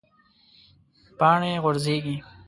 پاڼې غورځیږي